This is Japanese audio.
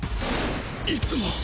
いつも！